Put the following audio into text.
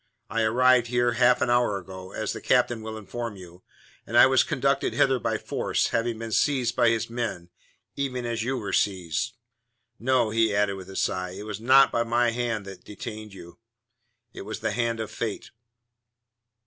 I arrived here half an hour ago, as the captain will inform you, and I was conducted hither by force, having been seized by his men, even as you were seized. No," he added, with a sigh, "it was not my hand that detained you; it was the hand of Fate."